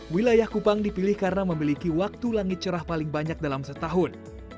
wilayah kupang dipilih karena memiliki waktu langit cerah paling banyak dalam setahun